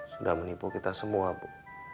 sudah menipu kita semua bu